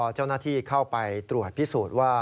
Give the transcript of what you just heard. เจ้าหน้าที่เข้าไปตรวจพิสูจน์ว่า